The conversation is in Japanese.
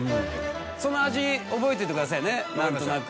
その味覚えててくださいね何となく。